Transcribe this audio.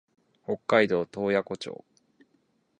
北海道洞爺湖町